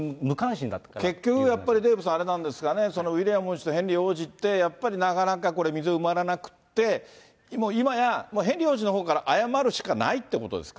結局やっぱり、デーブさん、あれなんですかね、ウィリアム王子とヘンリー王子って、やっぱり、なかなかこれ、溝埋まらなくて、もう今や、ヘンリー王子のほうから謝るしかないっていうことですか。